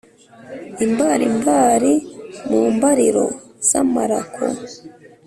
imbarimbari mu mbariro z'amarako